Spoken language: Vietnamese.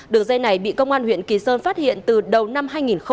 đường dây này bị công an huyện kỳ sơn phát hiện từ đầu năm hai nghìn một mươi bảy